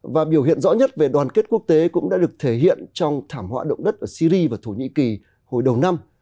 và biểu hiện rõ nhất về đoàn kết quốc tế cũng đã được thể hiện trong thảm họa động đất ở syri và thổ nhĩ kỳ hồi đầu năm